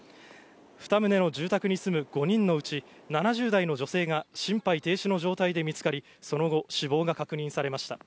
２棟の住宅に住む５人のうち７０代の女性が心肺停止の状態で見つかり、その後、死亡が確認されました。